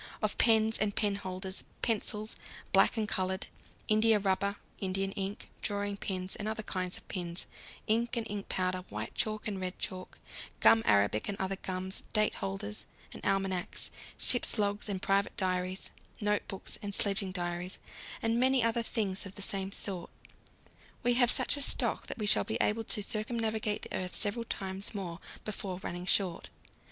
Of pens and penholders, pencils, black and coloured, india rubber, Indian ink, drawing pins and other kinds of pins, ink and ink powder, white chalk and red chalk, gum arabic and other gums, date holders and almanacs, ship's logs and private diaries, notebooks and sledging diaries, and many other things of the same sort, we have such a stock that we shall be able to circumnavigate the earth several times more before running short.